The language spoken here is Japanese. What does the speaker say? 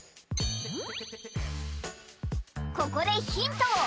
ここでヒント！